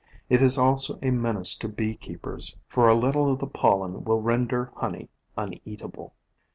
It is also a menace to bee keepers, for a little of the pollen will render honey uneatable.